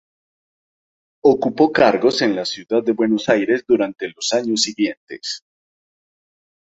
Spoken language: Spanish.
Ocupó cargos en la ciudad de Buenos Aires durante los años siguientes.